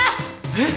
えっ！？